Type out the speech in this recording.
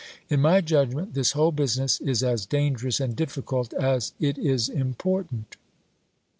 In my judgment this whole business is as dangerous and difficult as it is important.